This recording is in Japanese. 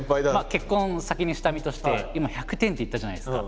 結婚先にした身として今「１００点」って言ったじゃないですか。